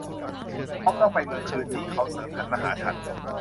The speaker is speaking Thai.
บ๊อบต้องไปเมืองคืนนี้ เขาเสริมหันมาหาฉัน